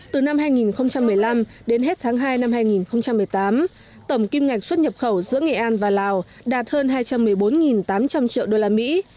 từ năm hai nghìn một mươi năm đến hết tháng hai năm hai nghìn một mươi tám tổng kim ngạch xuất nhập khẩu giữa nghệ an và lào đạt hơn hai trăm một mươi bốn tám trăm linh triệu đô la mỹ